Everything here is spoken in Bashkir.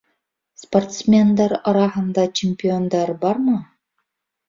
Спортсмендар араһында чемпиондар бармы?